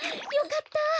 よかった！